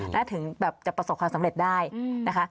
และถึงแบบจะประสบความสำเร็จได้นะคะ